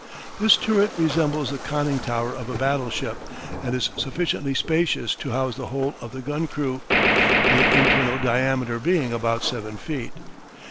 This turret resembles the conning tower of a battleship, and is sufficiently spacious to house the whole of the gun crew, the internal diameter being about seven feet.